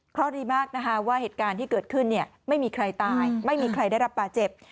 เพราะดีมากนะคะว่าเหตุการณ์ที่เกิดขึ้นไม่มีใครตายไม่มีใครได้รับบาดเจ็บ